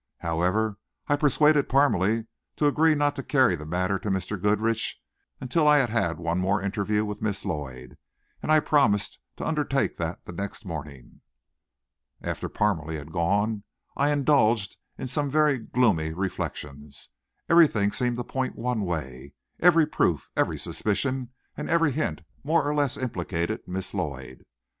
However, I persuaded Parmalee to agree not to carry the matter to Mr. Goodrich until I had had one more interview with Miss Lloyd, and I promised to undertake that the next morning. After Parmalee had gone, I indulged in some very gloomy reflections. Everything seemed to point one way. Every proof, every suspicion and every hint more or less implicated Miss Lloyd.